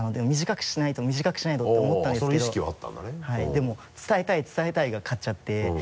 でも伝えたい伝えたいが勝っちゃって。